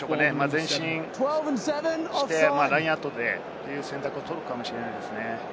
前進してラインアウトでという選択を取るかもしれないですね。